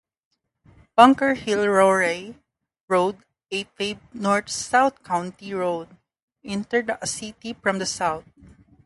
Bunker Hill-Luray Road, a paved north-south county road, enters the city from the south.